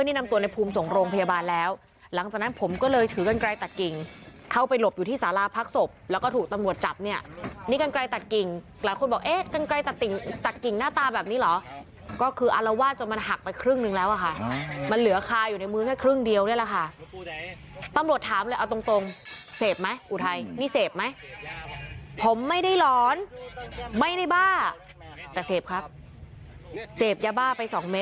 ที่สาราพักศพแล้วก็ถูกตำรวจจับเนี่ยนี่กันไกลตัดกิ่งหลายคนบอกเอ๊ะกันไกลตัดกิ่งตัดกิ่งหน้าตาแบบนี้เหรอก็คืออารวาสจนมันหักไปครึ่งนึงแล้วอ่ะค่ะมันเหลือคาอยู่ในมือแค่ครึ่งเดียวนี่แหละค่ะตำรวจถามเลยเอาตรงเสพไหมอุทัยนี่เสพไหมผมไม่ได้หลอนไม่ได้บ้าแต่เสพครับเสพยาบ้าไปสองเม